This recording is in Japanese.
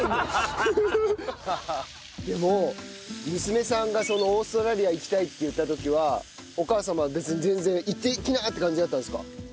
でも娘さんがオーストラリア行きたいって言った時はお母様は別に全然「行ってきな！」って感じだったんですか？